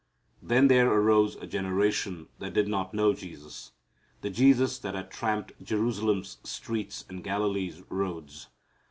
Then there arose a generation that did not know Jesus, the Jesus that had tramped Jerusalem's streets and Galilee's roads.